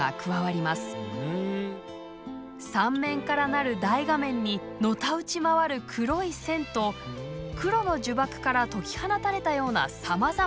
３面から成る大画面にのたうち回る黒い線と黒の呪縛から解き放たれたようなさまざまな色。